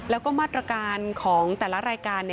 แล้วก็มาตรการของแต่ละรายการ